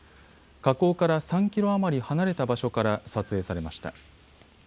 河口から３キロ余り離れた場所から撮影されました。